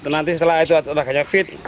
nanti setelah itu olahraganya fit